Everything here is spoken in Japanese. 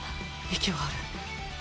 息はある。